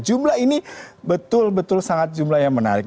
jumlah ini betul betul sangat jumlah yang menarik